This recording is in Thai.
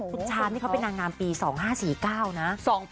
คุณชามนี่เขาเป็นนางงามปี๒๕๔๙นะ